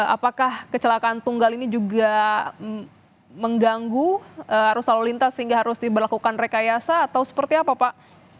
apakah kecelakaan tunggal ini juga mengganggu arus lalu lintas sehingga harus diberlakukan rekayasa atau seperti apa pak